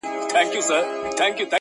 پرون یې بیا له هغه ښاره جنازې وایستې-